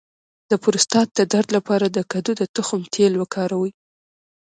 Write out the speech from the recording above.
د پروستات د درد لپاره د کدو د تخم تېل وکاروئ